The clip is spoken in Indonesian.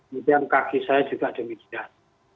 kemudian kaki saya juga demikian